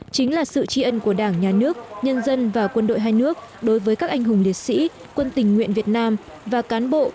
chính là sự tri ân của đảng nhà nước nhân dân và quân đội hai nước đối với các anh hùng liệt sĩ quân tình nguyện việt nam và cán bộ